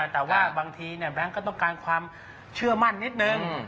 แต่ว่าบางทีแบงค์ก็ต้องการความเชื่อมั่นนิดนึง